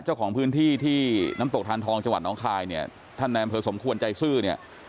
เจ้าของพื้นที่ที่น้ำตกทานทองจังหวัดน้องคายเนี่ยท่านนายอำเภอสมควรใจซื่อเนี่ย